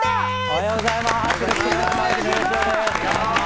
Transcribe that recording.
おはようございます。